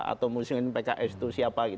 atau musuhin pks itu siapa